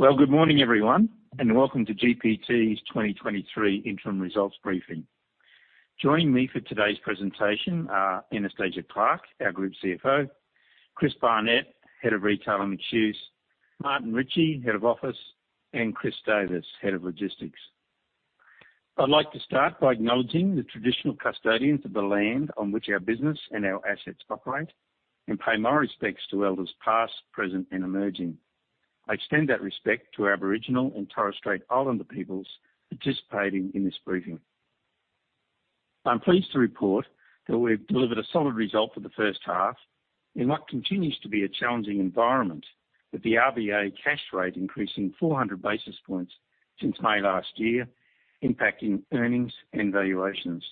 Well, good morning, everyone, and welcome to GPT's 2023 interim results briefing. Joining me for today's presentation are Anastasia Clarke, our Group CFO, Chris Barnett, Head of Retail and Mixed Use, Martin Ritchie, Head of Office, and Chris Davis, Head of Logistics. I'd like to start by acknowledging the traditional custodians of the land on which our business and our assets operate, and pay my respects to elders past, present, and emerging. I extend that respect to Aboriginal and Torres Strait Islander peoples participating in this briefing. I'm pleased to report that we've delivered a solid result for the first half in what continues to be a challenging environment, with the RBA cash rate increasing 400 basis points since May last year, impacting earnings and valuations.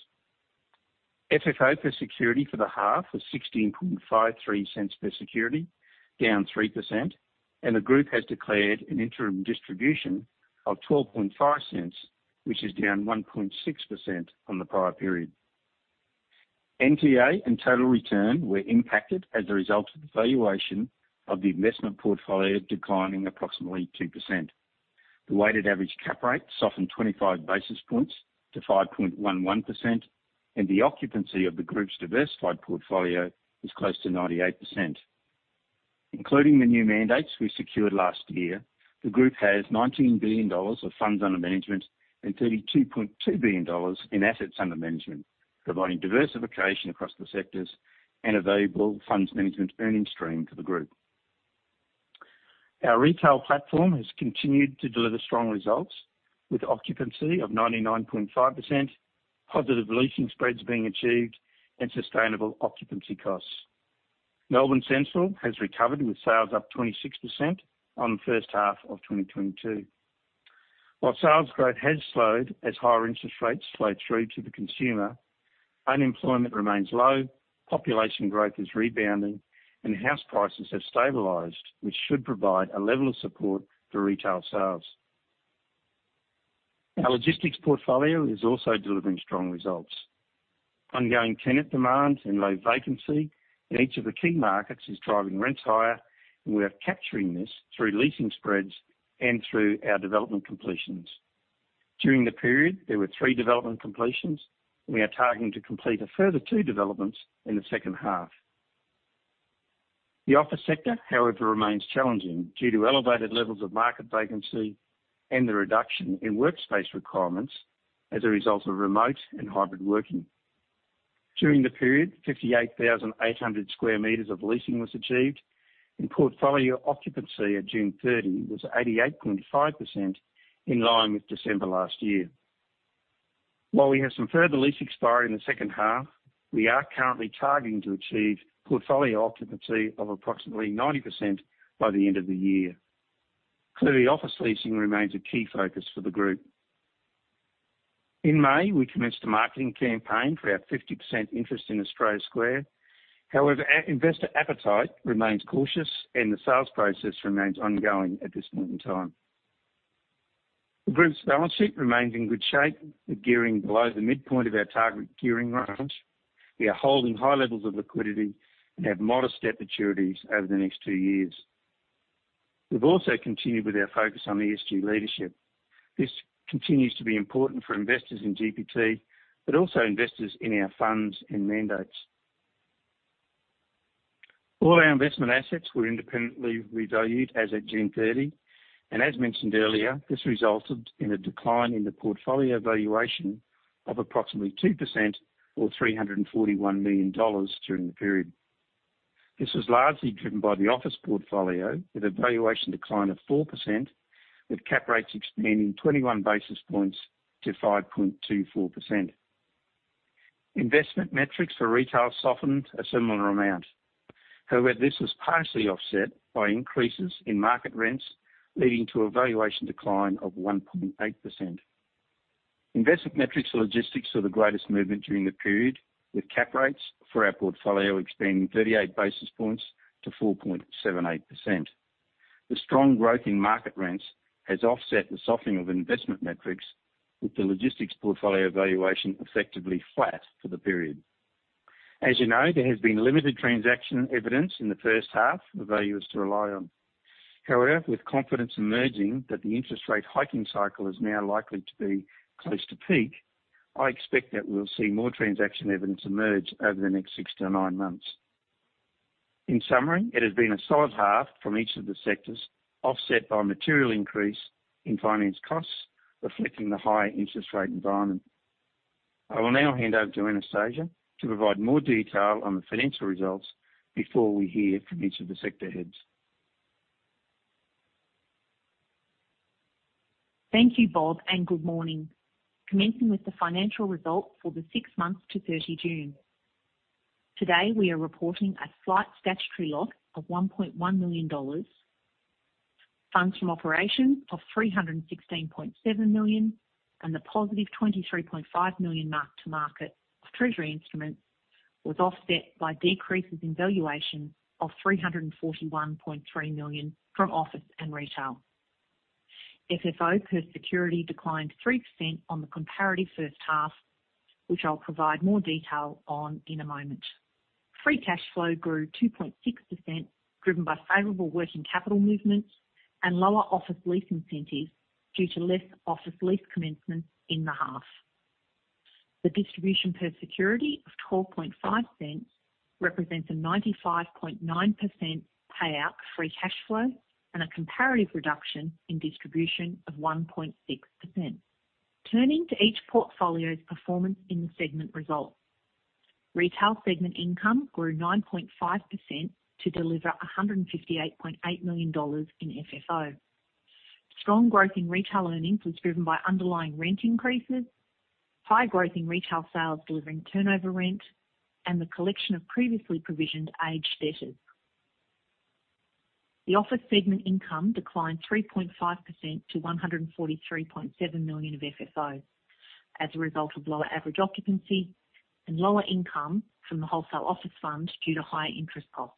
FFO per security for the half was 0.1653 per security, down 3%. The group has declared an interim distribution of 0.125, which is down 1.6% from the prior period. NTA and total return were impacted as a result of the valuation of the investment portfolio declining approximately 2%. The weighted average cap rate softened 25 basis points to 5.11%. The occupancy of the group's diversified portfolio is close to 98%. Including the new mandates we secured last year, the group has 19 billion dollars of funds under management and 32.2 billion dollars in assets under management, providing diversification across the sectors and a valuable funds management earning stream to the group. Our retail platform has continued to deliver strong results, with occupancy of 99.5%, positive leasing spreads being achieved, and sustainable occupancy costs. Melbourne Central has recovered, with sales up 26% on the first half of 2022. While sales growth has slowed as higher interest rates slow through to the consumer, unemployment remains low, population growth is rebounding, and house prices have stabilized, which should provide a level of support for retail sales. Our logistics portfolio is also delivering strong results. Ongoing tenant demand and low vacancy in each of the key markets is driving rents higher, and we are capturing this through leasing spreads and through our development completions. During the period, there were 3 development completions, and we are targeting to complete a further 2 developments in the second half. The office sector, however, remains challenging due to elevated levels of market vacancy and the reduction in workspace requirements as a result of remote and hybrid working. During the period, 58,800 square meters of leasing was achieved, and portfolio occupancy at June 30 was 88.5%, in line with December last year. While we have some further lease expiry in the second half, we are currently targeting to achieve portfolio occupancy of approximately 90% by the end of the year. Clearly, office leasing remains a key focus for the group. In May, we commenced a marketing campaign for our 50% interest in Australia Square. However, investor appetite remains cautious and the sales process remains ongoing at this point in time. The group's balance sheet remains in good shape, with gearing below the midpoint of our target gearing range. We are holding high levels of liquidity and have modest debt maturities over the next two years. We've also continued with our focus on ESG leadership. This continues to be important for investors in GPT, but also investors in our funds and mandates. All our investment assets were independently revalued as at June 30. As mentioned earlier, this resulted in a decline in the portfolio valuation of approximately 2% or 341 million dollars during the period. This was largely driven by the office portfolio, with a valuation decline of 4%, with cap rates expanding 21 basis points to 5.24%. Investment metrics for retail softened a similar amount. This was partially offset by increases in market rents, leading to a valuation decline of 1.8%. Investment metrics logistics saw the greatest movement during the period, with cap rates for our portfolio expanding 38 basis points to 4.78%. The strong growth in market rents has offset the softening of investment metrics, with the logistics portfolio valuation effectively flat for the period. As you know, there has been limited transaction evidence in the first half for the valuers to rely on. However, with confidence emerging that the interest rate hiking cycle is now likely to be close to peak, I expect that we'll see more transaction evidence emerge over the next 6-9 months. In summary, it has been a solid half from each of the sectors, offset by a material increase in finance costs, reflecting the higher interest rate environment. I will now hand over to Anastasia to provide more detail on the financial results before we hear from each of the sector heads. Thank you, Bob, and good morning. Commencing with the financial results for the six months to 30 June. Today, we are reporting a slight statutory loss of 1.1 million dollars, funds from operations of 316.7 million, the positive 23.5 million mark to market of treasury instruments, was offset by decreases in valuation of 341.3 million from office and retail. FFO per security declined 3% on the comparative first half, which I'll provide more detail on in a moment. Free cash flow grew 2.6%, driven by favorable working capital movements and lower office lease incentives due to less office lease commencements in the half. The distribution per security of 0.125 represents a 95.9% payout free cash flow, and a comparative reduction in distribution of 1.6%. Turning to each portfolio's performance in the segment results. Retail segment income grew 9.5% to deliver 158.8 million dollars in FFO. Strong growth in retail earnings was driven by underlying rent increases, high growth in retail sales delivering turnover rent, and the collection of previously provisioned aged debtors. The office segment income declined 3.5% to 143.7 million of FFO, as a result of lower average occupancy and lower income from the wholesale office fund due to higher interest costs.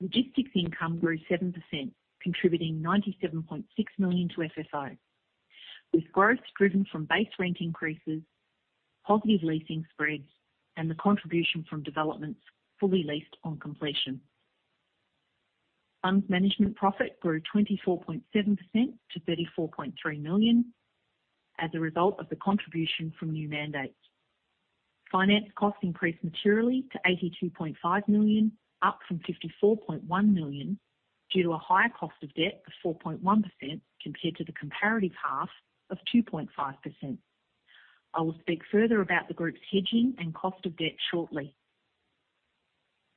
Logistics income grew 7%, contributing 97.6 million to FFO, with growth driven from base rent increases, positive leasing spreads, and the contribution from developments fully leased on completion. Funds management profit grew 24.7% to 34.3 million as a result of the contribution from new mandates. Finance costs increased materially to 82.5 million, up from 54.1 million, due to a higher cost of debt of 4.1% compared to the comparative half of 2.5%. I will speak further about the group's hedging and cost of debt shortly.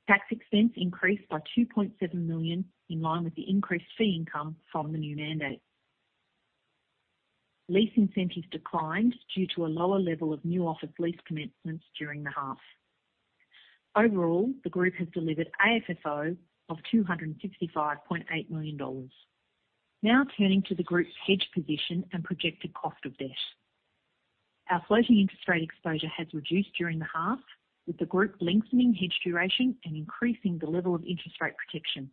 Tax expense increased by 2.7 million, in line with the increased fee income from the new mandate. Lease incentives declined due to a lower level of new office lease commencements during the half. Overall, the group has delivered AFFO of 265.8 million dollars. Now turning to the group's hedge position and projected cost of debt. Our floating interest rate exposure has reduced during the half, with the group lengthening hedge duration and increasing the level of interest rate protection.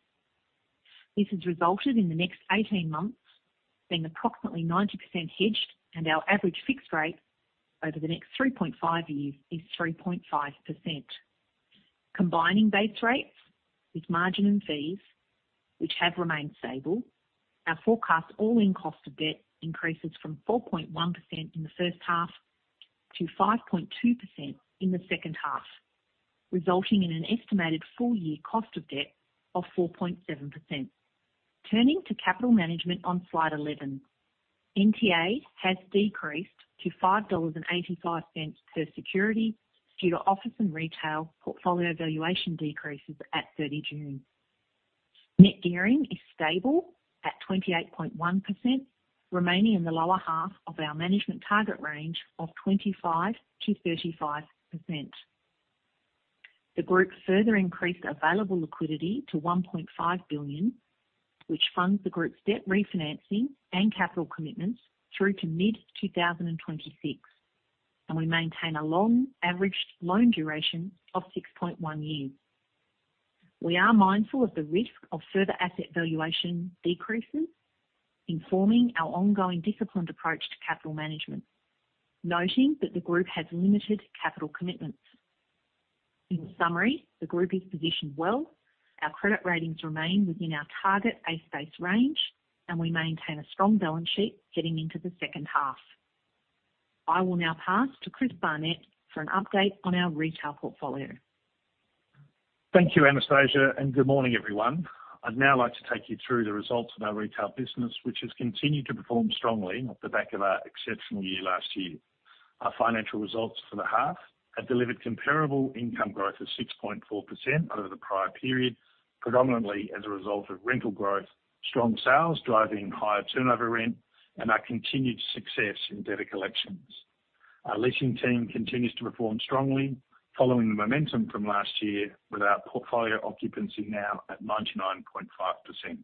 This has resulted in the next 18 months being approximately 90% hedged, and our average fixed rate over the next 3.5 years is 3.5%. Combining base rates with margin and fees, which have remained stable, our forecast all-in cost of debt increases from 4.1% in the first half to 5.2% in the second half, resulting in an estimated full year cost of debt of 4.7%. Turning to capital management on slide 11. NTA has decreased to 5.85 dollars per security due to office and retail portfolio valuation decreases at 30 June. Net gearing is stable at 28.1%, remaining in the lower half of our management target range of 25%-35%. The group further increased available liquidity to 1.5 billion, which funds the group's debt refinancing and capital commitments through to mid-2026. We maintain a long averaged loan duration of 6.1 years. We are mindful of the risk of further asset valuation decreases, informing our ongoing disciplined approach to capital management, noting that the group has limited capital commitments. In summary, the group is positioned well. Our credit ratings remain within our target A-space range. We maintain a strong balance sheet getting into the second half. I will now pass to Chris Barnett for an update on our retail portfolio. Thank you, Anastasia, and good morning, everyone. I'd now like to take you through the results of our retail business, which has continued to perform strongly off the back of our exceptional year last year. Our financial results for the half have delivered comparable income growth of 6.4% over the prior period, predominantly as a result of rental growth, strong sales, driving higher turnover rent, and our continued success in debtor collections. Our leasing team continues to perform strongly following the momentum from last year, with our portfolio occupancy now at 99.5%.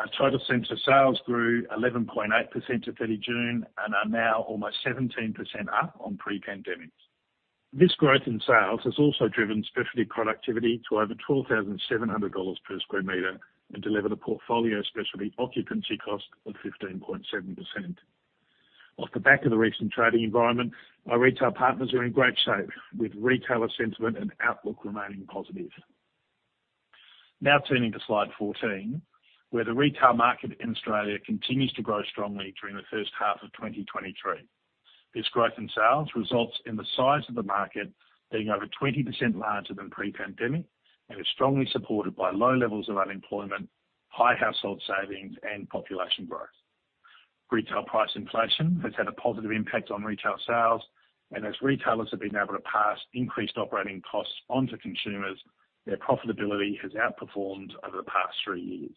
Our total center sales grew 11.8% to 30 June and are now almost 17% up on pre-pandemic. This growth in sales has also driven specialty productivity to over 12,700 dollars per square meter and delivered a portfolio specialty occupancy cost of 15.7%. Off the back of the recent trading environment, our retail partners are in great shape, with retailer sentiment and outlook remaining positive. Now turning to slide 14, where the retail market in Australia continues to grow strongly during the first half of 2023. This growth in sales results in the size of the market being over 20% larger than pre-pandemic, and is strongly supported by low levels of unemployment, high household savings, and population growth. Retail price inflation has had a positive impact on retail sales, and as retailers have been able to pass increased operating costs onto consumers, their profitability has outperformed over the past three years.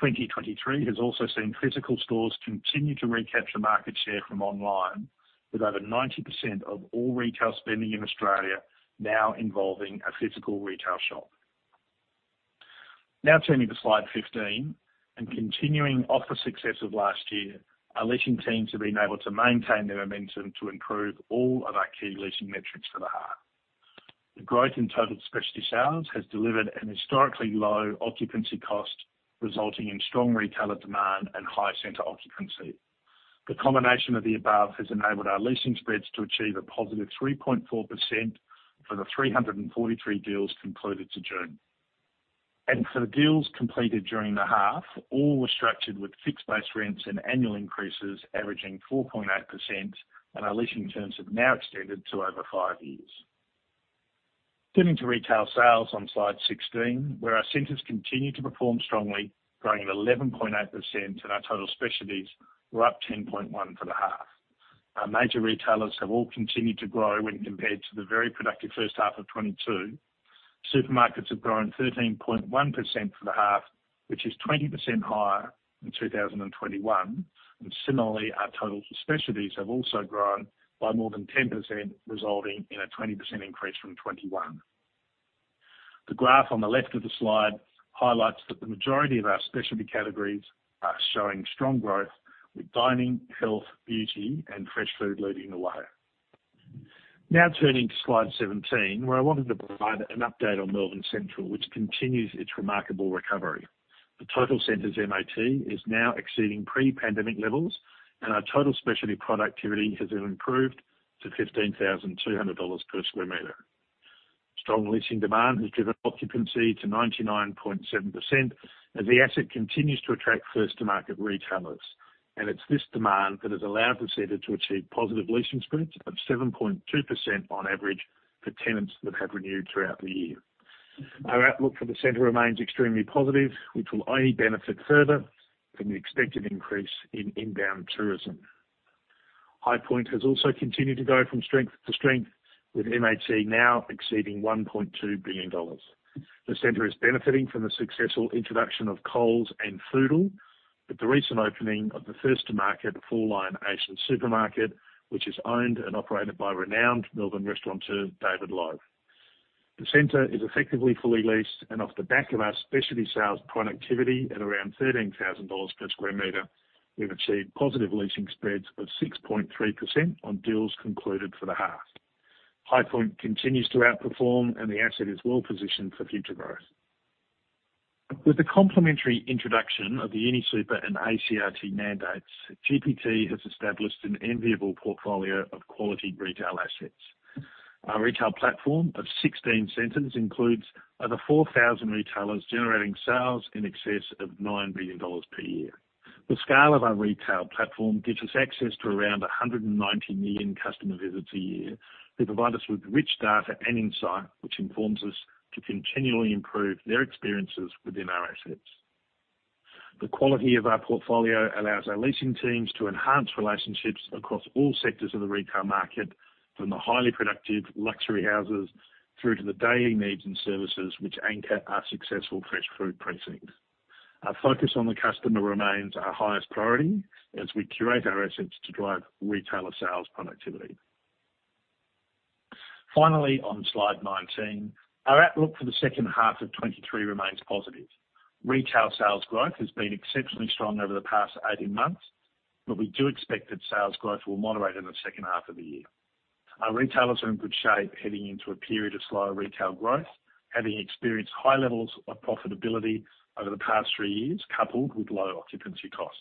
2023 has also seen physical stores continue to recapture market share from online, with over 90% of all retail spending in Australia now involving a physical retail shop. Now turning to slide 15, continuing off the success of last year, our leasing teams have been able to maintain their momentum to improve all of our key leasing metrics for the half. The growth in total specialty sales has delivered an historically low occupancy cost, resulting in strong retailer demand and high center occupancy. The combination of the above has enabled our leasing spreads to achieve a positive 3.4% for the 343 deals concluded to June. For the deals completed during the half, all were structured with fixed-based rents and annual increases averaging 4.8%, and our leasing terms have now extended to over five years. Turning to retail sales on slide 16, where our centers continue to perform strongly, growing at 11.8%, and our total specialties were up 10.1 for the half. Our major retailers have all continued to grow when compared to the very productive first half of 2022. Supermarkets have grown 13.1% for the half, which is 20% higher than 2021. Similarly, our total specialties have also grown by more than 10%, resulting in a 20% increase from 2021. The graph on the left of the slide highlights that the majority of our specialty categories are showing strong growth, with dining, health, beauty, and fresh food leading the way. Now turning to slide 17, where I wanted to provide an update on Melbourne Central, which continues its remarkable recovery. The total center's MAT is now exceeding pre-pandemic levels, and our total specialty productivity has improved to 15,200 dollars per square meter. Strong leasing demand has driven occupancy to 99.7%, as the asset continues to attract first-to-market retailers. It's this demand that has allowed the center to achieve positive leasing spreads of 7.2% on average for tenants that have renewed throughout the year. Our outlook for the center remains extremely positive, which will only benefit further from the expected increase in inbound tourism. Highpoint has also continued to go from strength to strength, with MAT now exceeding 1.2 billion dollars. The center is benefiting from the successful introduction of Coles and Foodle, with the recent opening of the first to market full-line Asian supermarket, which is owned and operated by renowned Melbourne restaurateur, David Loh. The center is effectively fully leased and off the back of our specialty sales productivity at around 13,000 dollars per square meter, we've achieved positive leasing spreads of 6.3% on deals concluded for the half. Highpoint continues to outperform, and the asset is well positioned for future growth. With the complementary introduction of the UniSuper and ACRT mandates, GPT has established an enviable portfolio of quality retail assets. Our retail platform of 16 centers includes over 4,000 retailers, generating sales in excess of 9 billion dollars per year. The scale of our retail platform gives us access to around 190 million customer visits a year, who provide us with rich data and insight, which informs us to continually improve their experiences within our assets. The quality of our portfolio allows our leasing teams to enhance relationships across all sectors of the retail market, from the highly productive luxury houses through to the daily needs and services which anchor our successful fresh food precincts. Our focus on the customer remains our highest priority as we curate our assets to drive retailer sales productivity. Finally, on Slide 19, our outlook for the second half of 2023 remains positive. Retail sales growth has been exceptionally strong over the past 18 months, but we do expect that sales growth will moderate in the second half of the year. Our retailers are in good shape heading into a period of slower retail growth, having experienced high levels of profitability over the past 3 years, coupled with low occupancy costs.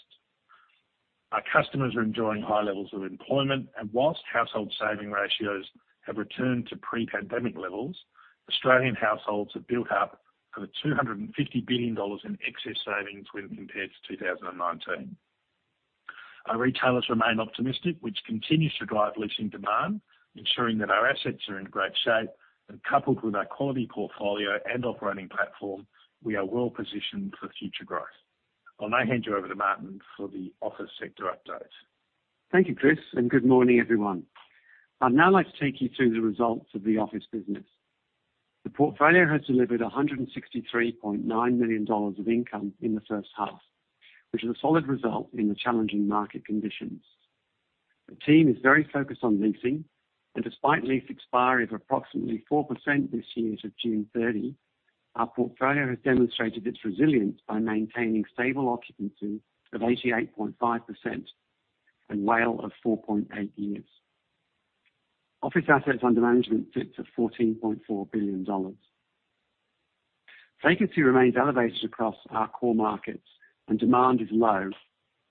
Our customers are enjoying high levels of employment, and whilst household saving ratios have returned to pre-pandemic levels, Australian households have built up over 250 billion dollars in excess savings when compared to 2019. Our retailers remain optimistic, which continues to drive leasing demand, ensuring that our assets are in great shape, and coupled with our quality portfolio and operating platform, we are well positioned for future growth. I'll now hand you over to Martin for the office sector update. Thank you, Chris, and good morning, everyone. I'd now like to take you through the results of the office business. The portfolio has delivered 163.9 million dollars of income in the first half, which is a solid result in the challenging market conditions. The team is very focused on leasing, and despite lease expiry of approximately 4% this year to June 30, our portfolio has demonstrated its resilience by maintaining stable occupancy of 88.5% and WALE of 4.8 years. Office assets under management sit at 14.4 billion dollars. Vacancy remains elevated across our core markets, and demand is low,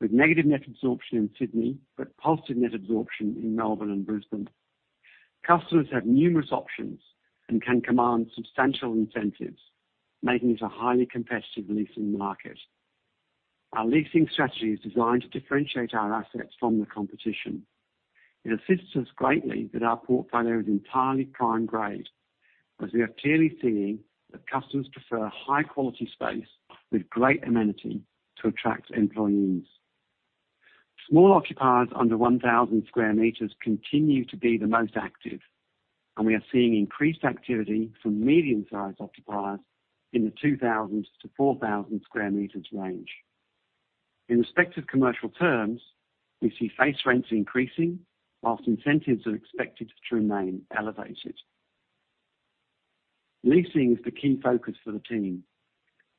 with negative net absorption in Sydney, but positive net absorption in Melbourne and Brisbane. Customers have numerous options and can command substantial incentives, making it a highly competitive leasing market. Our leasing strategy is designed to differentiate our assets from the competition. It assists us greatly that our portfolio is entirely prime grade, as we are clearly seeing that customers prefer high-quality space with great amenity to attract employees. Small occupiers under 1,000 sq m continue to be the most active, and we are seeing increased activity from medium-sized occupiers in the 2,000-4,000 sq m range. In respective commercial terms, we see face rents increasing, whilst incentives are expected to remain elevated. Leasing is the key focus for the team.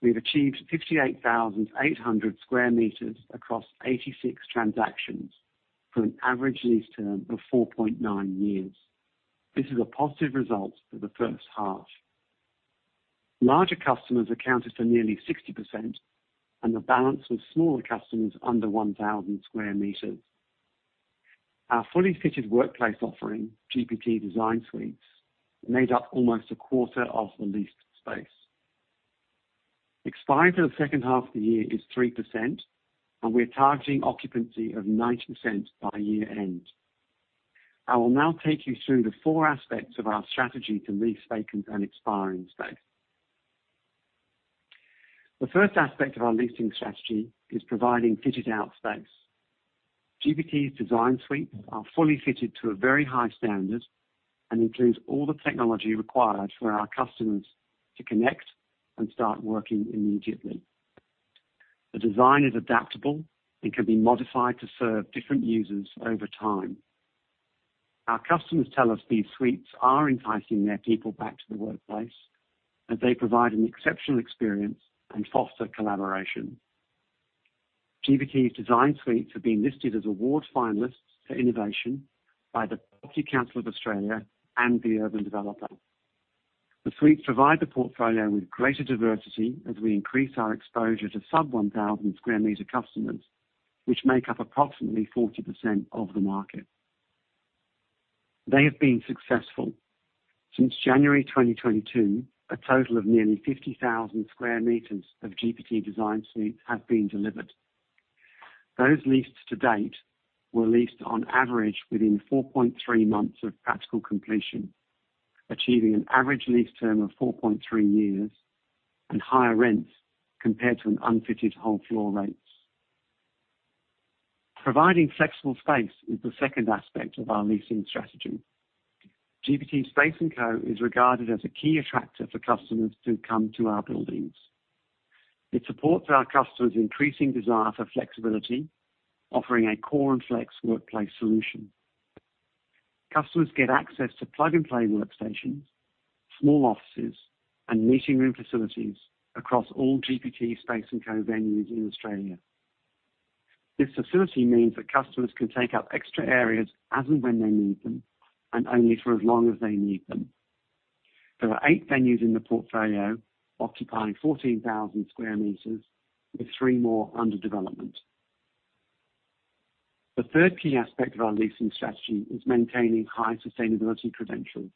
We've achieved 58,800 sq m across 86 transactions for an average lease term of 4.9 years. This is a positive result for the first half. Larger customers accounted for nearly 60%, and the balance was smaller customers under 1,000 sq m. Our fully fitted workplace offering, GPT DesignSuites, made up almost a quarter of the leased space. Expire for the second half of the year is 3%, and we are targeting occupancy of 90% by year-end. I will now take you through the four aspects of our strategy to re-lease vacant and expiring space. The first aspect of our leasing strategy is providing fitted-out space. GPT DesignSuites are fully fitted to a very high standard and includes all the technology required for our customers to connect and start working immediately. The design is adaptable and can be modified to serve different users over time. Our customers tell us these suites are enticing their people back to the workplace, as they provide an exceptional experience and foster collaboration. GPT DesignSuites have been listed as award finalists for innovation by the Property Council of Australia and The Urban Developer. The suites provide the portfolio with greater diversity as we increase our exposure to sub 1,000 sq m customers, which make up approximately 40% of the market. They have been successful. Since January 2022, a total of nearly 50,000 square meters of GPT DesignSuites have been delivered. Those leased to date were leased on average within 4.3 months of practical completion, achieving an average lease term of 4.3 years and higher rents compared to an unfitted whole floor rates. Providing flexible space is the second aspect of our leasing strategy. GPT Space&Co is regarded as a key attractor for customers who come to our buildings. It supports our customers' increasing desire for flexibility, offering a core and flex workplace solution. Customers get access to plug-and-play workstations, small offices, and meeting room facilities across all GPT Space&Co venues in Australia. This facility means that customers can take up extra areas as and when they need them, and only for as long as they need them. There are 8 venues in the portfolio, occupying 14,000 sq m, with 3 more under development. The third key aspect of our leasing strategy is maintaining high sustainability credentials.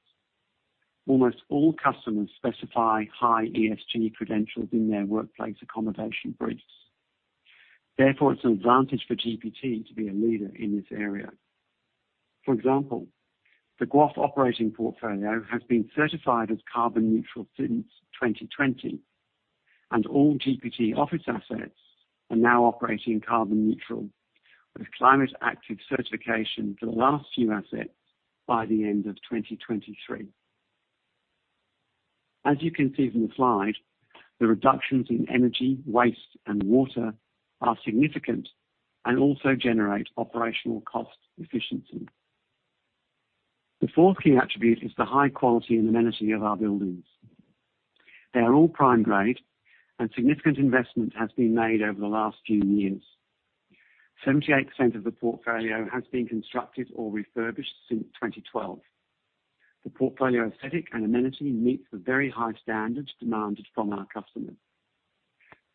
Almost all customers specify high ESG credentials in their workplace accommodation briefs. Therefore, it's an advantage for GPT to be a leader in this area. For example, the GWOF operating portfolio has been certified as carbon neutral since 2020, and all GPT office assets are now operating carbon neutral, with Climate Active certification for the last few assets by the end of 2023. As you can see from the slide, the reductions in energy, waste, and water are significant and also generate operational cost efficiency. The fourth key attribute is the high quality and amenity of our buildings. They are all prime grade, and significant investment has been made over the last few years. 78% of the portfolio has been constructed or refurbished since 2012. The portfolio aesthetic and amenity meets the very high standards demanded from our customers.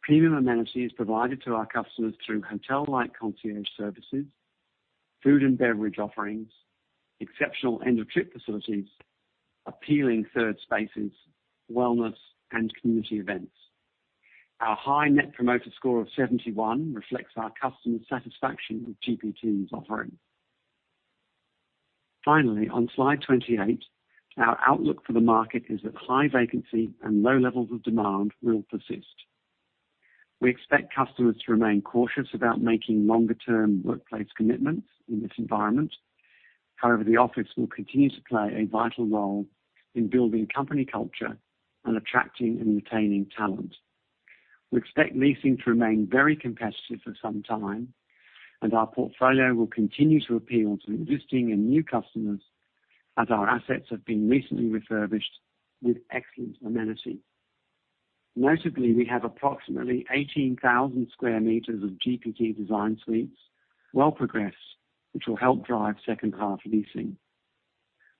Premium amenity is provided to our customers through hotel-like concierge services, food and beverage offerings, exceptional end-of-trip facilities, appealing third spaces, wellness, and community events. Our high net promoter score of 71 reflects our customer satisfaction with GPT's offering. Finally, on slide 28, our outlook for the market is that high vacancy and low levels of demand will persist. We expect customers to remain cautious about making longer-term workplace commitments in this environment. However, the office will continue to play a vital role in building company culture and attracting and retaining talent. We expect leasing to remain very competitive for some time, and our portfolio will continue to appeal to existing and new customers, as our assets have been recently refurbished with excellent amenities. Notably, we have approximately 18,000 square meters of GPT DesignSuites, well progressed, which will help drive second half leasing.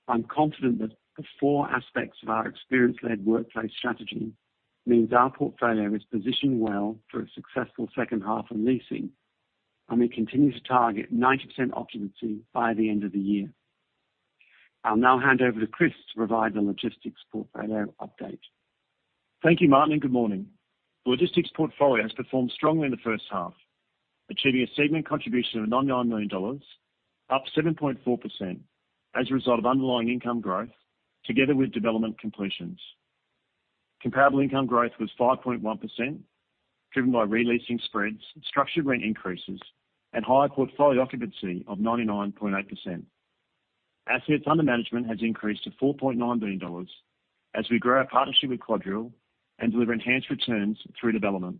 I'm confident that the four aspects of our experience-led workplace strategy means our portfolio is positioned well for a successful second half of leasing. We continue to target 90% occupancy by the end of the year. I'll now hand over to Chris to provide the logistics portfolio update. Thank you, Martin, and good morning. The logistics portfolio has performed strongly in the first half, achieving a segment contribution of $99 million, up 7.4%, as a result of underlying income growth, together with development completions. Comparable income growth was 5.1%, driven by re-leasing spreads, structured rent increases, and higher portfolio occupancy of 99.8%. Assets under management has increased to $4.9 billion as we grow our partnership with QuadReal and deliver enhanced returns through development.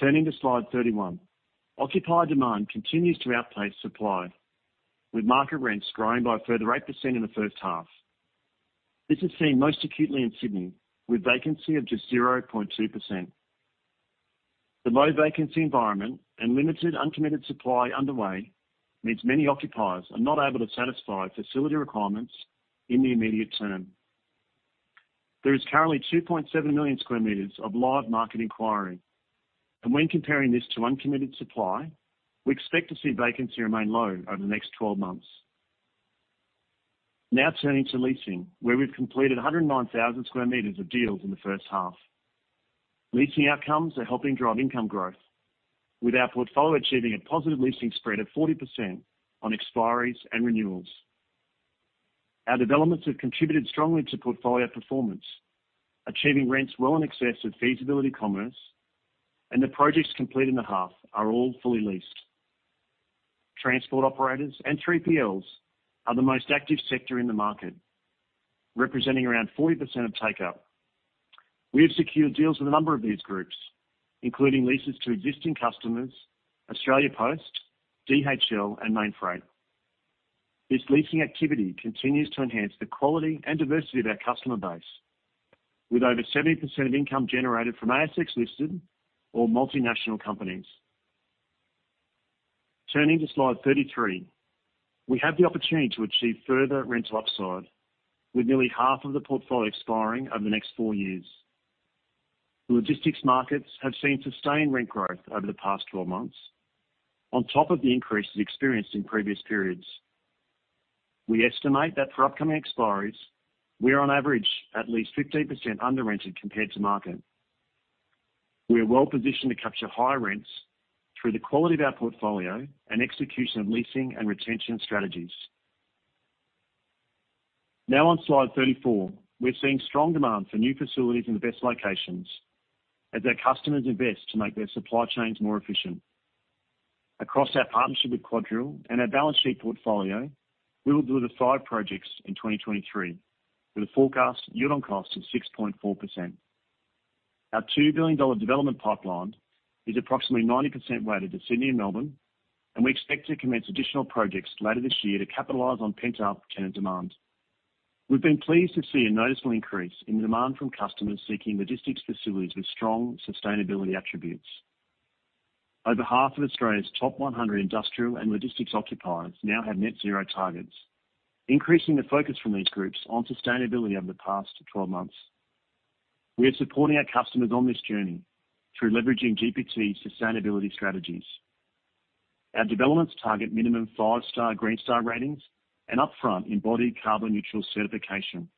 Turning to slide 31. Occupier demand continues to outpace supply, with market rents growing by a further 8% in the first half. This is seen most acutely in Sydney, with vacancy of just 0.2%. The low vacancy environment and limited uncommitted supply underway, means many occupiers are not able to satisfy facility requirements in the immediate term. There is currently 2.7 million square meters of live market inquiry. When comparing this to uncommitted supply, we expect to see vacancy remain low over the next 12 months. Now turning to leasing, where we've completed 109,000 sq m of deals in the first half. Leasing outcomes are helping drive income growth, with our portfolio achieving a positive leasing spread of 40% on expiries and renewals. Our developments have contributed strongly to portfolio performance, achieving rents well in excess of feasibility commerce. The projects completed in the half are all fully leased. Transport operators and 3PLs are the most active sector in the market, representing around 40% of take-up. We have secured deals with a number of these groups, including leases to existing customers, Australia Post, DHL, and Mainfreight. This leasing activity continues to enhance the quality and diversity of our customer base, with over 70% of income generated from ASX-listed or multinational companies. Turning to slide 33. We have the opportunity to achieve further rental upside, with nearly half of the portfolio expiring over the next 4 years. The logistics markets have seen sustained rent growth over the past 12 months, on top of the increases experienced in previous periods. We estimate that for upcoming expiries, we are on average at least 15% under rented compared to market. We are well positioned to capture higher rents through the quality of our portfolio and execution of leasing and retention strategies. Now on slide 34. We're seeing strong demand for new facilities in the best locations as our customers invest to make their supply chains more efficient. Across our partnership with QuadReal and our balance sheet portfolio, we will deliver 5 projects in 2023, with a forecast yield on cost of 6.4%. Our 2 billion dollar development pipeline is approximately 90% weighted to Sydney and Melbourne, and we expect to commence additional projects later this year to capitalize on pent-up tenant demand. We've been pleased to see a noticeable increase in the demand from customers seeking logistics facilities with strong sustainability attributes. Over half of Australia's top 100 industrial and logistics occupiers now have net zero targets, increasing the focus from these groups on sustainability over the past 12 months. We are supporting our customers on this journey through leveraging GPT sustainability strategies. Our developments target minimum 5-star Green Star ratings and upfront embodied carbon neutral certification.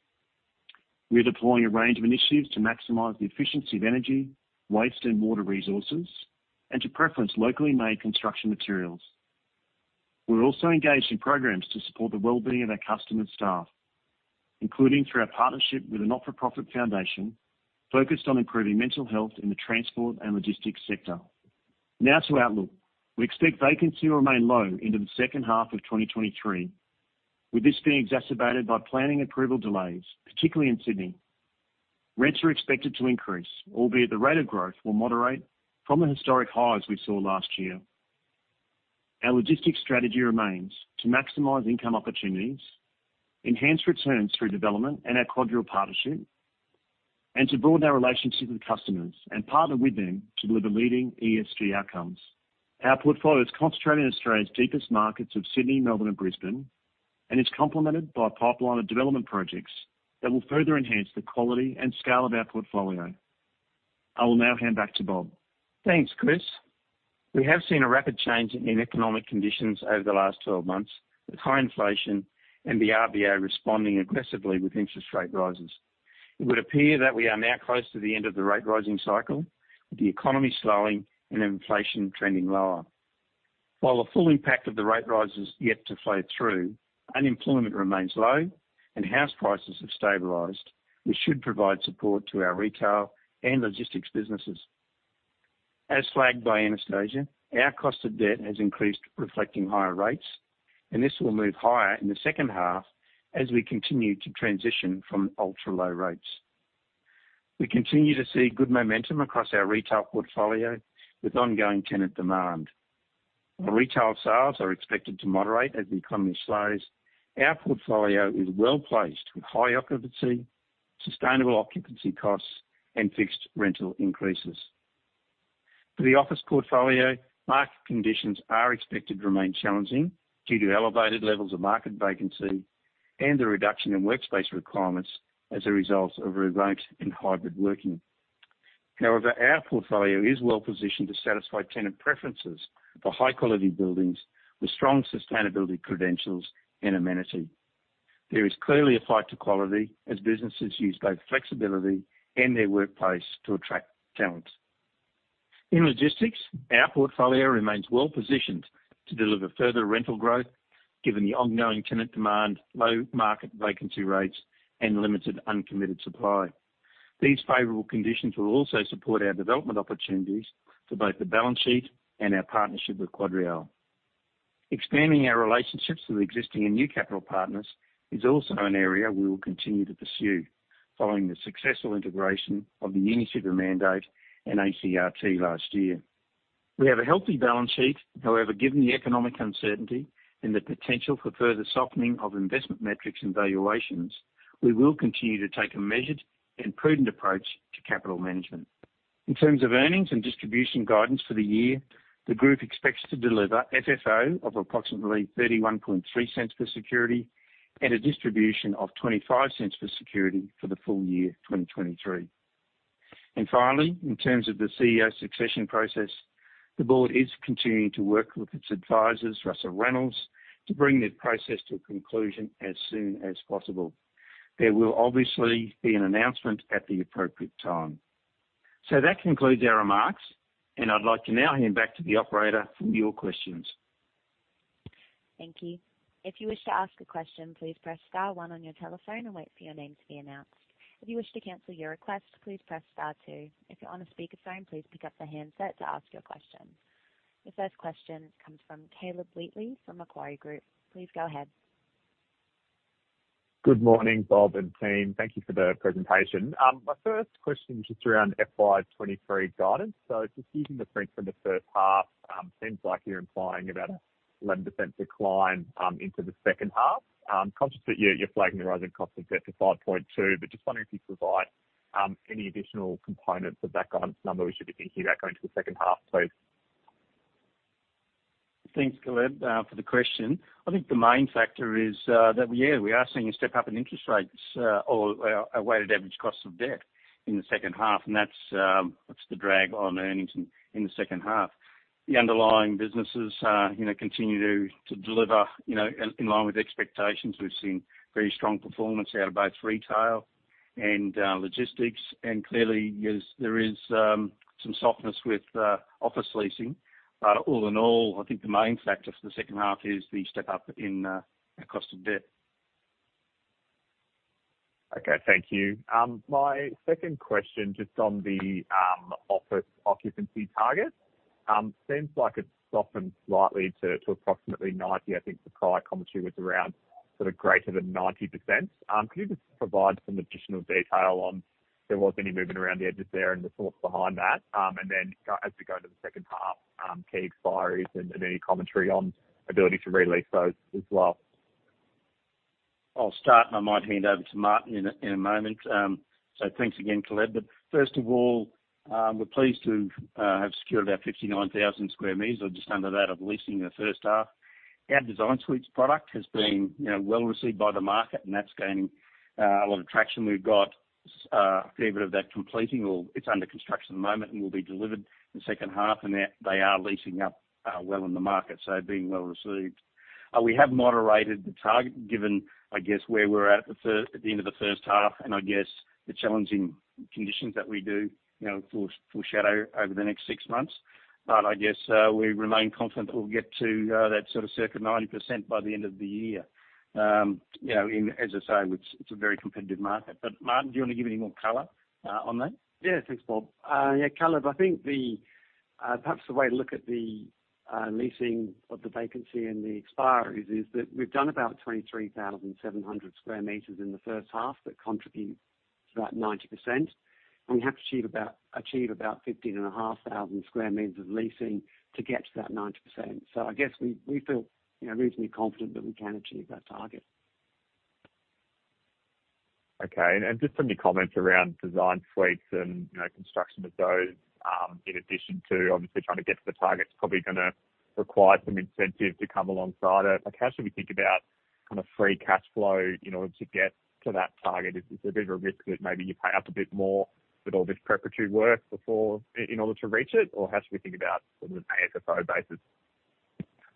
We are deploying a range of initiatives to maximize the efficiency of energy, waste, and water resources, and to preference locally made construction materials. We're also engaged in programs to support the well-being of our customer staff, including through our partnership with a not-for-profit foundation focused on improving mental health in the transport and logistics sector. Now to outlook. We expect vacancy to remain low into the second half of 2023, with this being exacerbated by planning approval delays, particularly in Sydney. Rents are expected to increase, albeit the rate of growth will moderate from the historic highs we saw last year. Our logistics strategy remains to maximize income opportunities, enhance returns through development and our QuadReal partnership, and to broaden our relationships with customers and partner with them to deliver leading ESG outcomes. Our portfolio is concentrated in Australia's deepest markets of Sydney, Melbourne, and Brisbane, and it's complemented by a pipeline of development projects that will further enhance the quality and scale of our portfolio. I will now hand back to Bob. Thanks, Chris. We have seen a rapid change in economic conditions over the last 12 months, with high inflation and the RBA responding aggressively with interest rate rises. It would appear that we are now close to the end of the rate rising cycle, with the economy slowing and inflation trending lower. While the full impact of the rate rise is yet to flow through, unemployment remains low and house prices have stabilized, which should provide support to our retail and logistics businesses. As flagged by Anastasia, our cost of debt has increased, reflecting higher rates, and this will move higher in the second half as we continue to transition from ultra-low rates. We continue to see good momentum across our retail portfolio with ongoing tenant demand. While retail sales are expected to moderate as the economy slows, our portfolio is well placed with high occupancy, sustainable occupancy costs, and fixed rental increases. For the office portfolio, market conditions are expected to remain challenging due to elevated levels of market vacancy and the reduction in workspace requirements as a result of remote and hybrid working. However, our portfolio is well positioned to satisfy tenant preferences for high-quality buildings with strong sustainability credentials and amenity. There is clearly a fight to quality as businesses use both flexibility and their workplace to attract talent. In logistics, our portfolio remains well positioned to deliver further rental growth, given the ongoing tenant demand, low market vacancy rates, and limited uncommitted supply. These favorable conditions will also support our development opportunities for both the balance sheet and our partnership with QuadReal. Expanding our relationships with existing and new capital partners is also an area we will continue to pursue, following the successful integration of the UniSuper mandate and ACRT last year. We have a healthy balance sheet. However, given the economic uncertainty and the potential for further softening of investment metrics and valuations, we will continue to take a measured and prudent approach to capital management. In terms of earnings and distribution guidance for the year, the group expects to deliver FFO of approximately 0.313 per security and a distribution of 0.25 per security for the full year, 2023. Finally, in terms of the CEO succession process, the board is continuing to work with its advisors, Russell Reynolds, to bring this process to a conclusion as soon as possible. There will obviously be an announcement at the appropriate time. That concludes our remarks, and I'd like to now hand back to the operator for your questions. Thank you. If you wish to ask a question, please press star one on your telephone and wait for your name to be announced. If you wish to cancel your request, please press star two. If you're on a speakerphone, please pick up the handset to ask your question. The first question comes from Caleb Wheatley from Macquarie Group. Please go ahead. Good morning, Bob and team. Thank you for the presentation. My first question just around FY 2023 guidance. Just using the print from the first half, seems like you're implying about a 1% decline into the second half. Conscious that you, you're flagging the rising cost of debt to 5.2%, but just wondering if you could provide any additional components of that guidance number we should be thinking about going to the second half, please? Thanks, Caleb, for the question. I think the main factor is that, yeah, we are seeing a step up in interest rates, or a weighted average cost of debt in the second half, and that's, that's the drag on earnings in the second half. The underlying businesses, you know, continue to deliver, you know, in line with expectations. We've seen very strong performance out of both retail and logistics. Clearly, yes, there is some softness with office leasing. All in all, I think the main factor for the second half is the step up in the cost of debt. Okay. Thank you. My second question, just on the office occupancy target. Seems like it's softened slightly to approximately 90. I think the prior commentary was around sort of greater than 90%. Could you just provide some additional detail on if there was any movement around the edges there and the thought behind that? As we go into the second half, key expiries and any commentary on ability to re-lease those as well. I'll start, and I might hand over to Martin in a moment. Thanks again, Caleb. First of all, we're pleased to have secured our 59,000 sq m or just under that, of leasing in the 1st half. Our DesignSuites product has been, you know, well received by the market, and that's gaining a lot of traction. We've got a fair bit of that completing or it's under construction at the moment and will be delivered in the 2nd half, and they, they are leasing up well in the market, so being well received. We have moderated the target, given, I guess, where we're at the end of the 1st half, and I guess the challenging conditions that we do, you know, foreshadow over the next 6 months. I guess, we remain confident that we'll get to, that sort of circa 90% by the end of the year. You know, in, as I say, it's, it's a very competitive market. Martin, do you want to give any more or, on that? Yeah. Thanks, Bob. Yeah, Caleb, I think the. Perhaps the way to look at the leasing of the vacancy and the expiry is, is that we've done about 23,700 sq m in the first half. That contributes to about 90%, and we have to achieve about 15,500 sq m of leasing to get to that 90%. I guess we, we feel, you know, reasonably confident that we can achieve that target. Okay. Just some of your comments around DesignSuites and, you know, construction of those, in addition to obviously trying to get to the target, it's probably gonna require some incentive to come alongside it. Like, how should we think about kind of free cash flow in order to get to that target? Is there a bit of a risk that maybe you pay up a bit more with all this preparatory work before, in order to reach it, or how should we think about it on an FFO basis?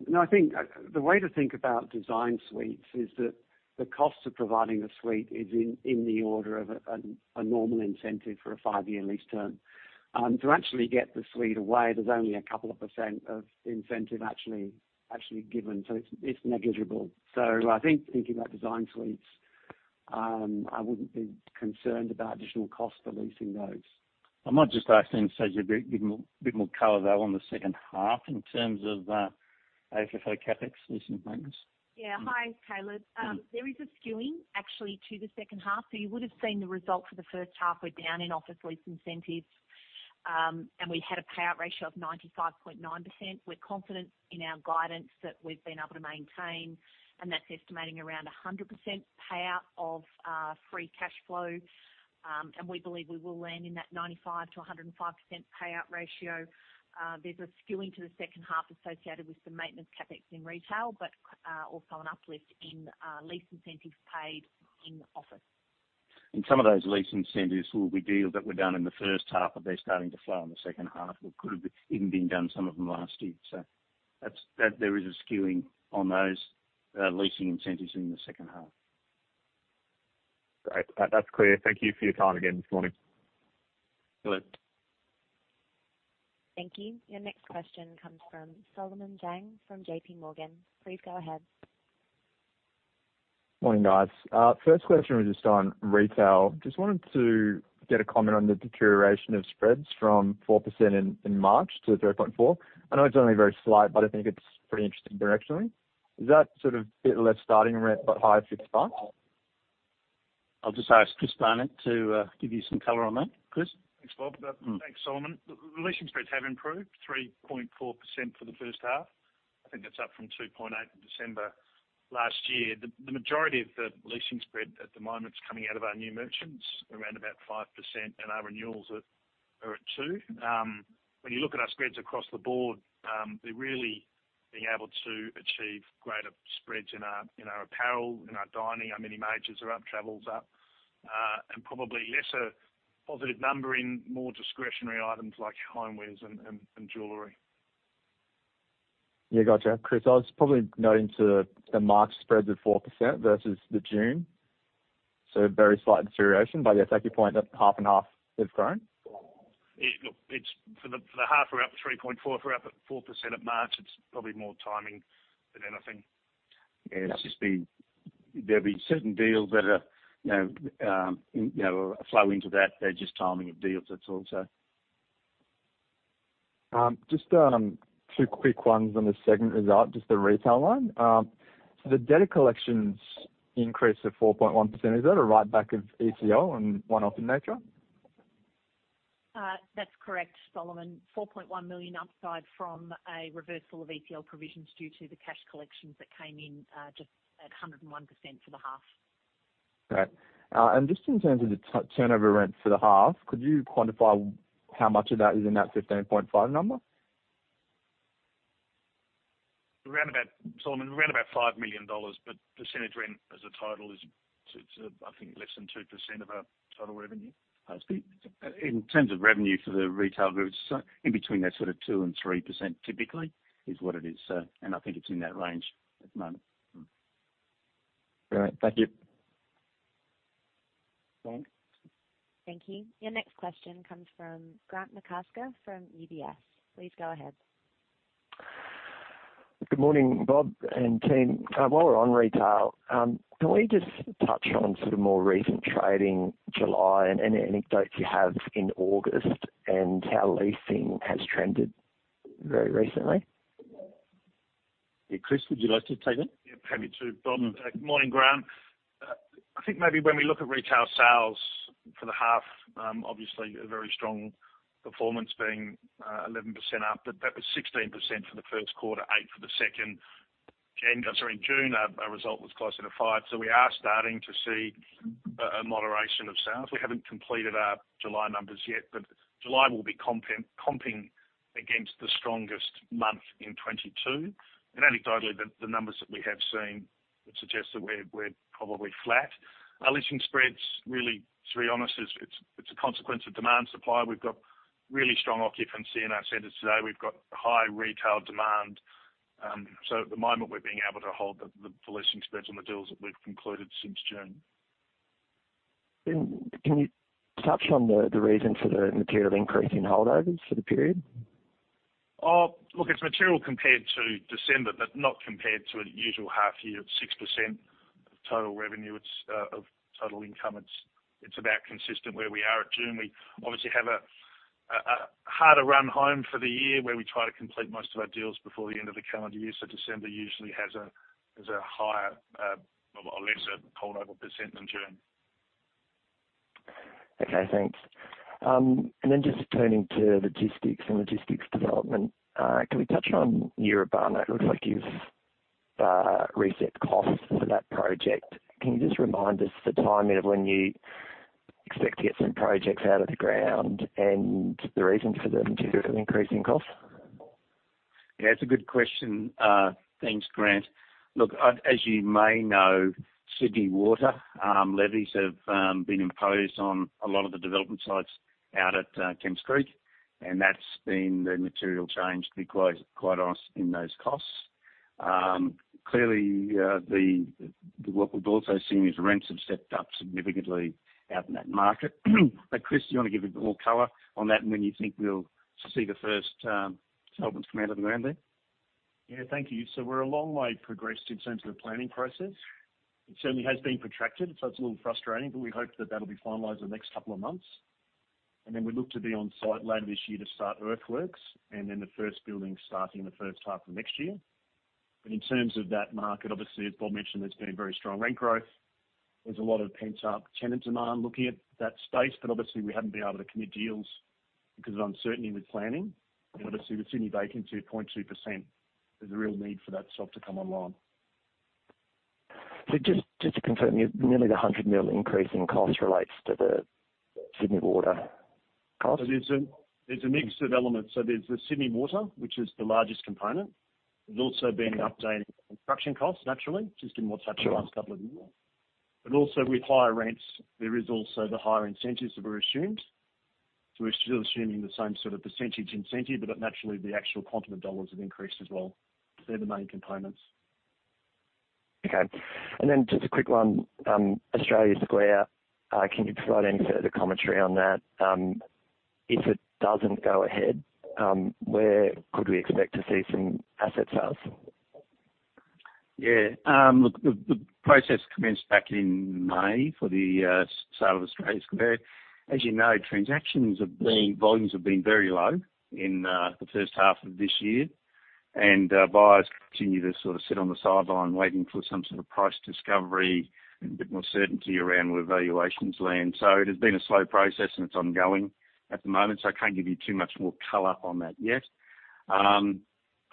No, I think the way to think about DesignSuites is that the cost of providing the suite is in, in the order of a, an, a normal incentive for a five-year lease term. To actually get the suite away, there's only a couple of % of incentive actually, actually given, so it's, it's negligible. I think thinking about DesignSuites, I wouldn't be concerned about additional cost for leasing those. I might just ask then, Serge, a bit, bit more, bit more color, though, on the second half in terms of, FFO CapEx leasing maintenance. Yeah. Hi, Caleb. There is a skewing actually to the second half, so you would have seen the results for the first half were down in office lease incentives, and we had a payout ratio of 95.9%. We're confident in our guidance that we've been able to maintain, and that's estimating around 100% payout of free cash flow. We believe we will land in that 95%-105% payout ratio. There's a skewing to the second half associated with some maintenance CapEx in retail, but also an uplift in lease incentives paid in office. Some of those lease incentives will be deals that were done in the first half, but they're starting to flow in the second half, or could have even been done, some of them, last year. That's, there is a skewing on those leasing incentives in the second half. Great. That, that's clear. Thank you for your time again this morning. Good. Thank you. Your next question comes from Solomon Zhang, from JP Morgan. Please go ahead. Morning, guys. First question was just on retail. Just wanted to get a comment on the deterioration of spreads from 4% in, in March to 3.4%. I know it's only very slight, but I think it's pretty interesting directionally. Is that sort of a bit less starting rent, but higher fixed price? I'll just ask Chris Barnett to give you some color on that. Chris? Thanks, Bob. Thanks, Solomon. The leasing spreads have improved 3.4% for the first half. I think that's up from 2.8 in December last year. The majority of the leasing spread at the moment is coming out of our new merchants, around about 5%, and our renewals are, are at 2. When you look at our spreads across the board, we're really being able to achieve greater spreads in our, in our apparel, in our dining. Our many majors are up, travel's up, and probably lesser positive number in more discretionary items like homewares and, and, and jewelry. Yeah. Gotcha. Chris, I was probably noting to the March spreads at 4% versus the June, so a very slight deterioration. Yes, take your point, that's 50/50, they've grown. Look, it's for the half, we're up 3.4. If we're up at 4% at March, it's probably more timing than anything. Yeah, it's just there'll be certain deals that are, you know, you know, flow into that. They're just timing of deals, that's all. Just two quick ones on the second result, just the retail one. The debt collections increased to 4.1%. Is that a write back of ETL and one-off in nature? That's correct, Solomon. 4.1 million upside from a reversal of ETL provisions due to the cash collections that came in, just at 101% for the half. Great. Just in terms of the turnover rent for the half, could you quantify how much of that is in that 15.5 number? Around about, Solomon, around about 5 million dollars, but percentage rent as a total is to, I think, less than 2% of our total revenue. In terms of revenue for the retail group, so in between that sort of 2% and 3% typically is what it is. I think it's in that range at the moment. All right. Thank you. Thank. Thank you. Your next question comes from Grant McCasker from UBS. Please go ahead. Good morning, Bob and team. While we're on retail, can we just touch on some more recent trading, July and any anecdotes you have in August and how leasing has trended very recently? Yeah. Chris, would you like to take that? Yeah, happy to, Bob. Good morning, Grant. I think maybe when we look at retail sales for the half, obviously a very strong performance being 11% up, but that was 16% for the 1st quarter, 8 for the 2nd. Again, sorry, in June, our, our result was closer to 5. We are starting to see a, a moderation of sales. We haven't completed our July numbers yet, but July will be comping against the strongest month in 2022. Anecdotally, the, the numbers that we have seen would suggest that we're, we're probably flat. Our leasing spreads, really, to be honest, it's, it's a consequence of demand, supply. We've got really strong occupancy in our centers today. We've got high retail demand. At the moment, we're being able to hold the, the leasing spreads on the deals that we've concluded since June. Can you touch on the, the reason for the material increase in holdovers for the period? Look, it's material compared to December, but not compared to a usual half-year of 6% of total revenue. It's of total income. It's, it's about consistent where we are at June. We obviously have a harder run home for the year, where we try to complete most of our deals before the end of the calendar year. December usually has a higher or lesser holdover percent than June. Okay, thanks. Then just turning to logistics and logistics development, can we touch on Yirrabarri: it looks like you've reset costs for that project. Can you just remind us the timing of when you expect to get some projects out of the ground and the reason for the material increase in cost? Yeah, it's a good question. Thanks, Grant. Look, as you may know, Sydney Water, levies have been imposed on a lot of the development sites out at Kemps Creek, and that's been the material change, to be quite, quite honest, in those costs. Clearly, what we've also seen is rents have stepped up significantly out in that market. Chris, you want to give a more color on that, and when you think we'll see the first developments come out of the ground there? Yeah. Thank you. We're a long way progressed in terms of the planning process. It certainly has been protracted, so it's a little frustrating, but we hope that that'll be finalized in the next couple of months. Then we look to be on site later this year to start earthworks, then the first building starting in the first half of next year. In terms of that market, obviously, as Bob mentioned, there's been very strong rent growth. There's a lot of pent-up tenant demand looking at that space, but obviously we haven't been able to commit deals because of uncertainty with planning. Obviously, with Sydney vacancy at 0.2%, there's a real need for that stock to come online. Just to confirm, nearly the 100 million increase in cost relates to the Sydney Water cost? There's a mix of elements. There's the Sydney Water, which is the largest component. There's also been an update in construction costs, naturally, just given what's happened- Sure. ...In the last couple of years. Also with higher rents, there is also the higher incentives that were assumed. We're still assuming the same sort of % incentive, but naturally, the actual quantum of dollars have increased as well. They're the main components. Okay. Just a quick one, Australia Square. Can you provide any further commentary on that? If it doesn't go ahead, where could we expect to see some asset sales? Yeah, look, the, the process commenced back in May for the sale of Australia Square. As you know, volumes have been very low in the first half of this year. Buyers continue to sort of sit on the sideline waiting for some sort of price discovery and a bit more certainty around where valuations land. It has been a slow process, and it's ongoing at the moment, so I can't give you too much more color on that yet.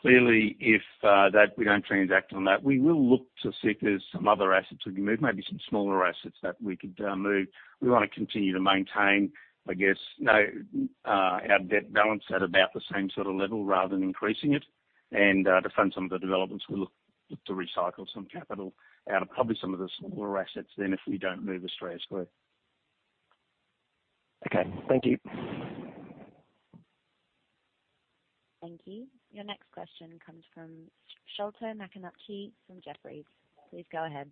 Clearly, if that we don't transact on that, we will look to see if there's some other assets we can move, maybe some smaller assets that we could move. We want to continue to maintain, I guess, no, our debt balance at about the same sort of level rather than increasing it. To fund some of the developments, we look, look to recycle some capital out of probably some of the smaller assets then, if we don't move Australia Square. Okay, thank you. Thank you. Your next question comes from Sholto Maconochie from Jefferies. Please go ahead.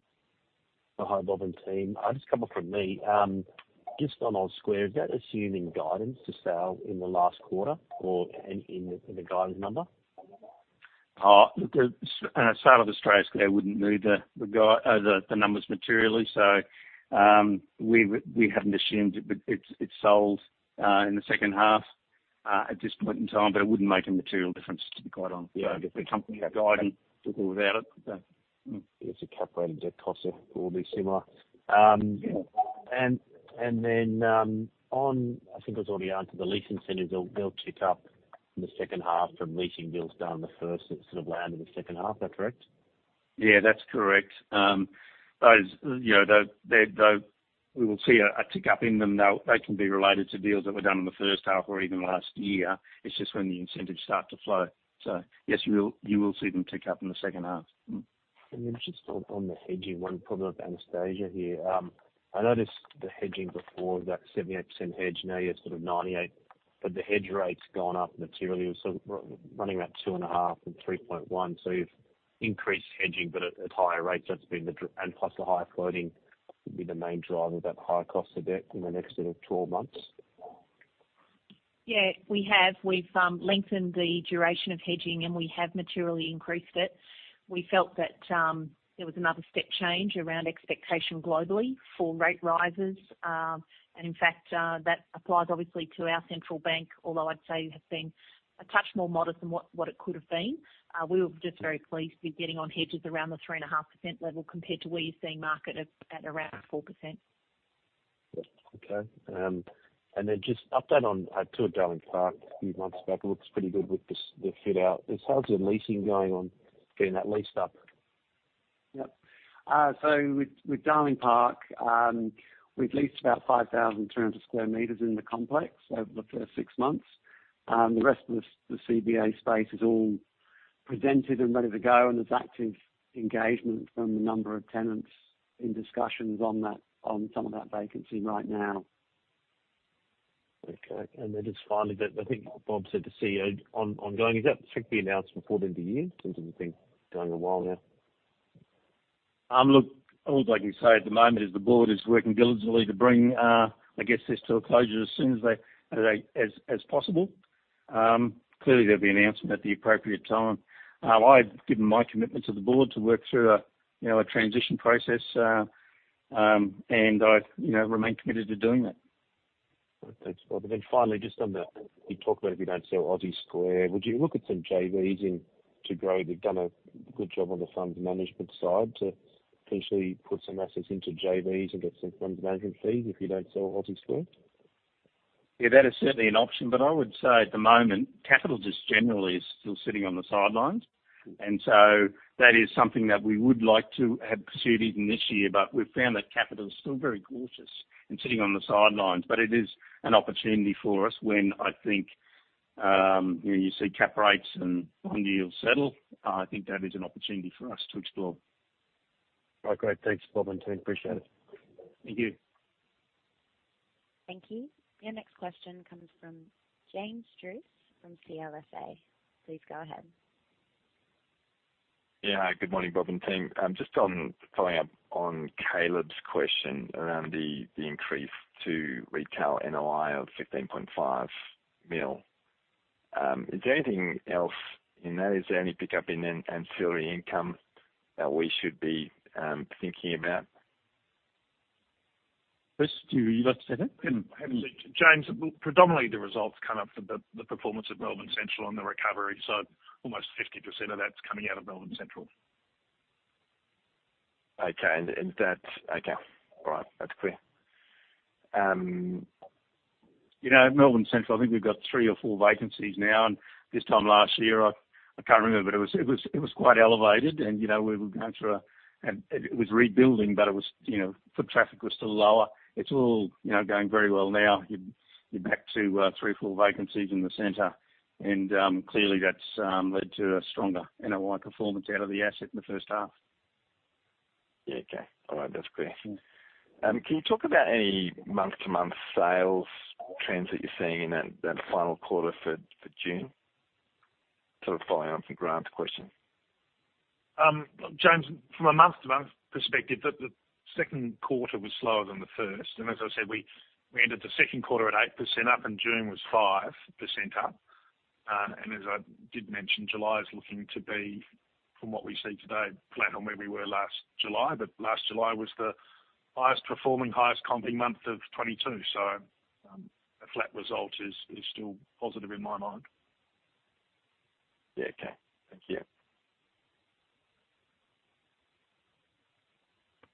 Oh, hi, Bob and team. Just a couple from me. Just on Aussie Square, is that assuming guidance to sale in the last quarter or in, in the, in the guidance number? The sale of Australia Square wouldn't move the numbers materially. We haven't assumed it, but it's sold in the second half at this point in time. It wouldn't make a material difference, to be quite honest. Yeah, the company guidance with or without it, but. I guess the calculated debt cost will be similar. And then, on... I think it was already answered, the leasing centers, they'll, they'll kick up in the second half from leasing bills down in the first sort of land in the second half. Is that correct? Yeah, that's correct. those, you know, we will see a, a tick up in them. They can be related to deals that were done in the first half or even last year. It's just when the incentives start to flow. yes, you will, you will see them tick up in the second half. Mm. Just on, on the hedging one, probably Anastasia here. I noticed the hedging before, that 78% hedge, now you're sort of 98%, but the hedge rate's gone up materially. Running about 2.5% and 3.1%. You've increased hedging, but at, at higher rates, that's been the driver and plus the higher floating will be the main driver of that higher cost of debt in the next sort of 12 months. Yeah, we have. We've lengthened the duration of hedging, and we have materially increased it. We felt that there was another step change around expectation globally for rate rises. In fact, that applies obviously to our central bank, although I'd say it has been a touch more modest than what, what it could have been. We were just very pleased with getting on hedges around the 3.5% level, compared to where you're seeing market at, at around 4%. Okay, then just update on, to Darling Park a few months back. It looks pretty good with this, the fit out. How's the leasing going on, getting that leased up? Yep. With, with Darling Park, we've leased about 5,200 square meters in the complex over the first six months. The rest of the, the CBA space is all presented and ready to go, and there's active engagement from a number of tenants in discussions on that, on some of that vacancy right now. Okay. Then just finally, but I think Bob said to CEO on, on going, is that strictly announced before the end of the year, since it's been going a while now? Look, all I can say at the moment is the board is working diligently to bring, I guess, this to a closure as soon as possible. Clearly, there'll be an announcement at the appropriate time. I've given my commitment to the board to work through a, you know, a transition process, and I, you know, remain committed to doing that. Thanks, Bob. Then finally, you talked about if you don't sell Aussie Square, would you look at some JVs in to grow? You've done a good job on the funds management side to potentially put some assets into JVs and get some funds management fees if you don't sell Aussie Square. Yeah, that is certainly an option, but I would say at the moment, capital just generally is still sitting on the sidelines. That is something that we would like to have pursued even this year, but we've found that capital is still very cautious and sitting on the sidelines. It is an opportunity for us when I think, you know, you see cap rates and bond yields settle. I think that is an opportunity for us to explore. All right, great. Thanks, Bob and team. Appreciate it. Thank you. Thank you. Your next question comes from James Druce from CLSA. Please go ahead. Good morning, Bob and team. Just following up on Caleb's question around the increase to retail NOI of 15.5 million. Is there anything else in there? Is there any pickup in an ancillary income that we should be thinking about? First, do you want to say that? Hmm. James, predominantly, the results come up from the, the performance of Melbourne Central and the recovery. Almost 50% of that's coming out of Melbourne Central. Okay, and that's okay. All right, that's clear. You know, Melbourne Central, I think we've got 3 or 4 vacancies now, and this time last year, I, I can't remember, but it was, it was, it was quite elevated and, you know, we were going through a. It, it was rebuilding, but it was, you know, foot traffic was still lower. It's all, you know, going very well now. You're, you're back to, 3, 4 vacancies in the center, and, clearly, that's, led to a stronger NOI performance out of the asset in the first half. Yeah, okay. All right, that's clear. Can you talk about any month-to-month sales trends that you're seeing in that, that final quarter for, for June? Sort of follow on from Grant's question. James, from a month-to-month perspective, the second quarter was slower than the first. As I said, we ended the second quarter at 8% up, and June was 5% up. As I did mention, July is looking to be, from what we see today, flat on where we were last July. Last July was the highest performing, highest comping month of 2022. A flat result is still positive in my mind. Yeah. Okay. Thank you.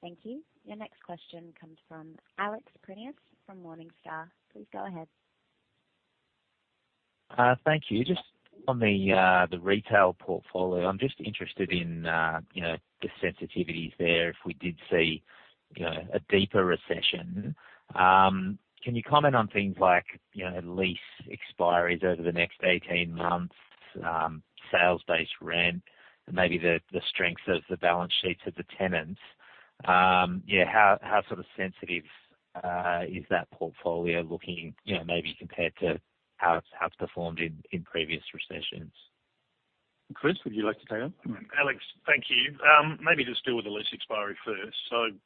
Thank you. Your next question comes from Alex Prineas from Morningstar. Please go ahead. Thank you. Just on the, the retail portfolio, I'm just interested in, you know, the sensitivities there if we did see, you know, a deeper recession. Can you comment on things like, you know, lease expiries over the next 18 months, sales-based rent, and maybe the, the strengths of the balance sheets of the tenants? Yeah, how, how sort of sensitive is that portfolio looking? You know, maybe compared to how it's, has performed in, in previous recessions. Chris, would you like to take that? Alex, thank you. Maybe just deal with the lease expiry first.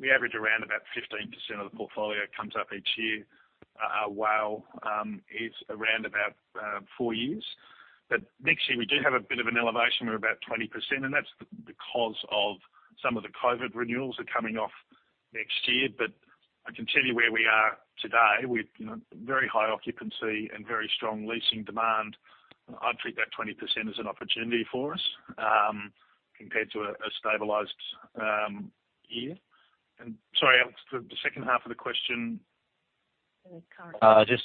We average around about 15% of the portfolio comes up each year. Our WALE is around about 4 years. Next year we do have a bit of an elevation of about 20%, and that's because of some of the COVID renewals are coming off next year. I can tell you where we are today, we've, you know, very high occupancy and very strong leasing demand. I'd treat that 20% as an opportunity for us, compared to a, a stabilized year. Sorry, Alex, the, the second half of the question? Uh, can't- Just,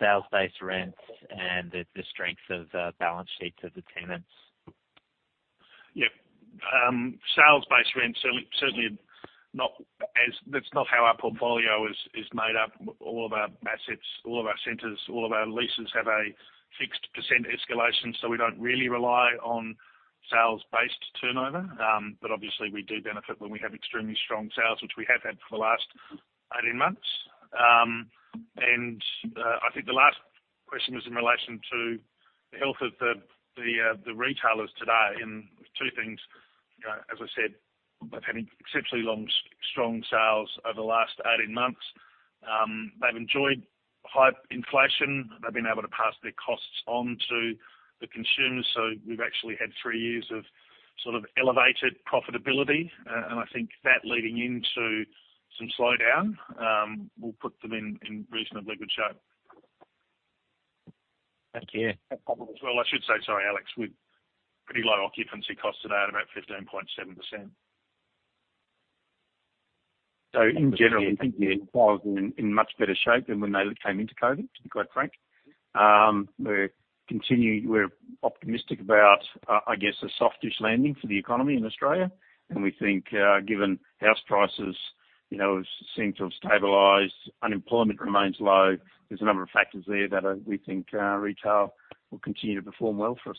sales-based rents and the, the strength of, balance sheets of the tenants. Yep. Sales-based rents certainly, certainly not as-- That's not how our portfolio is, is made up. All of our assets, all of our centers, all of our leases have a fixed % escalation, so we don't really rely on sales-based turnover. Obviously we do benefit when we have extremely strong sales, which we have had for the last 18 months. I think the last question was in relation to the health of the, the, the retailers today, and two things. You know, as I said, they've had exceptionally long, strong sales over the last 18 months. They've enjoyed high inflation. They've been able to pass their costs on to the consumers. We've actually had three years of sort of elevated profitability, and I think that leading into some slowdown will put them in, in reasonably good shape. Thank you. No problem. As well, I should say, sorry, Alex, we've pretty low occupancy costs today at about 15.7%. In general, Thank you, in much better shape than when they came into COVID, to be quite frank. We're continuing... We're optimistic about a softish landing for the economy in Australia. We think given house prices, you know, seem to have stabilized, unemployment remains low. There's a number of factors there that we think retail will continue to perform well for us.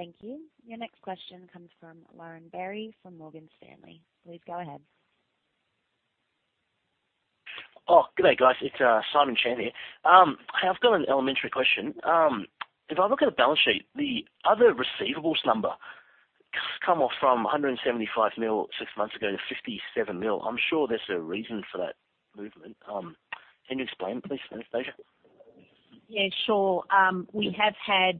Thank you. Your next question comes from Lauren Berry from Morgan Stanley. Please go ahead. Oh, good day, guys. It's Simon Chan here. I've got an elementary question. If I look at the balance sheet, the other receivables number has come off from 175 million 6 months ago to 57 million. I'm sure there's a reason for that movement. Can you explain, please, Anastasia? Yeah, sure. We have had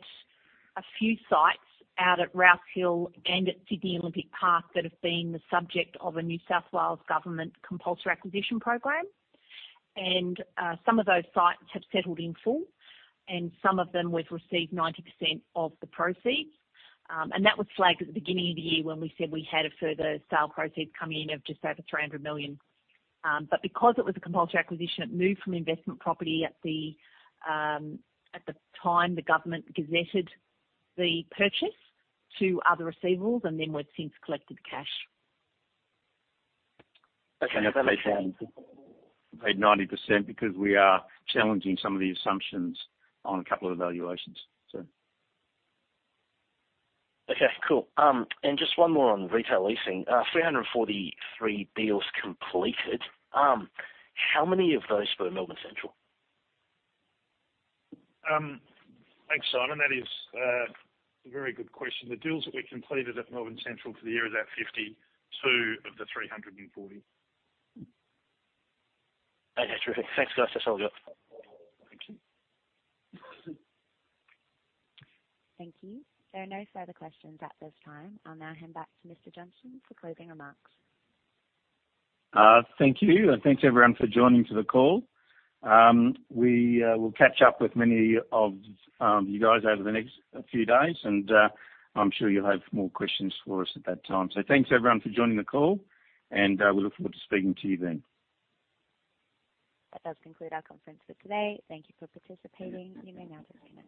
a few sites out at Rouse Hill and at Sydney Olympic Park that have been the subject of a New South Wales Government compulsory acquisition program. Some of those sites have settled in full, and some of them we've received 90% of the proceeds. That was flagged at the beginning of the year when we said we had a further sale proceed coming in of just over 300 million. Because it was a compulsory acquisition, it moved from investment property at the time the government gazetted the purchase to other receivables, and then we've since collected cash. Okay, that makes sense. Paid 90% because we are challenging some of the assumptions on a couple of evaluations, so. Okay, cool. Just one more on retail leasing. 343 deals completed. How many of those were Melbourne Central? Thanks, Simon. That is a very good question. The deals that we completed at Melbourne Central for the year is at 52 of the 340. Okay, terrific. Thanks, guys. That's all I got. Thank you. Thank you. There are no further questions at this time. I'll now hand back to Mr. Johnston for closing remarks. Thank you, and thanks, everyone, for joining to the call. We will catch up with many of you guys over the next few days, and I'm sure you'll have more questions for us at that time. Thanks, everyone, for joining the call, and we look forward to speaking to you then. That does conclude our conference for today. Thank you for participating. You may now disconnect.